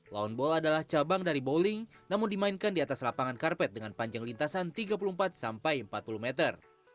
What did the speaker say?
launball adalah cabang dari bowling namun dimainkan di atas lapangan karpet dengan panjang lintasan tiga puluh empat sampai empat puluh meter